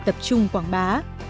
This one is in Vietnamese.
để tập trung quảng bá